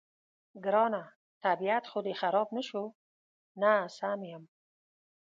ګرانه، طبیعت خو دې خراب نه شو؟ نه، سم یم.